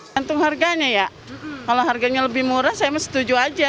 tentu harganya ya kalau harganya lebih murah saya setuju aja